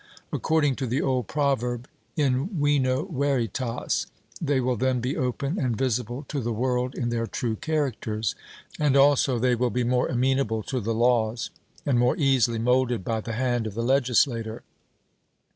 According to the old proverb, in vino veritas, they will then be open and visible to the world in their true characters; and also they will be more amenable to the laws, and more easily moulded by the hand of the legislator.